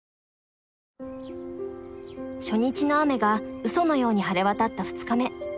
初日の雨がうそのように晴れ渡った２日目。